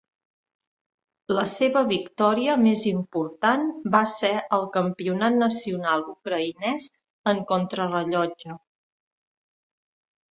La seva victòria més important va ser el Campionat nacional ucraïnès en contrarellotge.